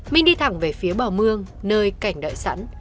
minh đi thẳng về phía bờ mương nơi cảnh đại sẵn